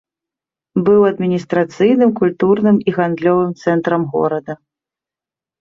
Быў адміністрацыйным, культурным і гандлёвым цэнтрам горада.